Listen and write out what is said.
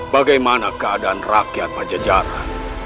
bagaimana keadaan rakyat pajajara